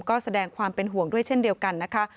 ก็แสดงความเป็นห่วงด้วยเช่นเดียวกันนะคะ